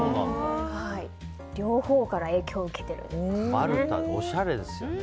両方から影響を受けているんですね。